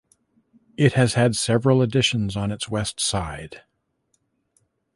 It has had several additions on its west side.